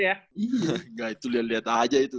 iya gak itu liat liat aja itu